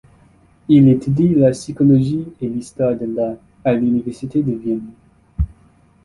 Il étudie la psychologie et l'histoire de l'art à l'université de Vienne.